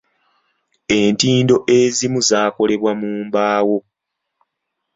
Entindo ezimu zaakolebwa mu mbaawo.